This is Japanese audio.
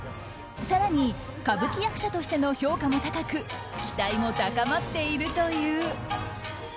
更に歌舞伎役者としての評価も高く期待も高まっているという。